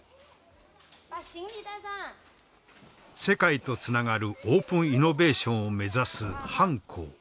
世界とつながるオープンイノベーションを目指す潘昊。